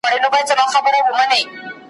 بل لاسونه پر ټتر سو